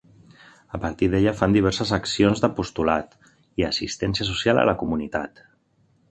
A partir d'ella, fan diverses accions d'apostolat i assistència social a la comunitat.